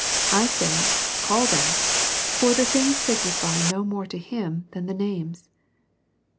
I say, call them, for the things signify no more to him than the names.